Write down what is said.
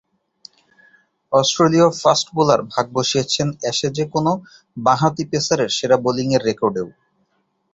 অস্ট্রেলীয় fast bowler ভাগ বসিয়েছেন অ্যাশেজে কোনো বাঁহাতি পেসারের সেরা বোলিংয়ের রেকর্ডেও।